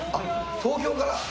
東京から？